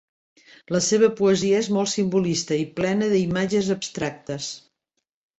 La seva poesia és molt simbolista i plena d'imatges abstractes.